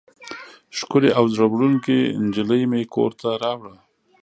ښکلې او زړه وړونکې نجلۍ مې کور ته راوړه.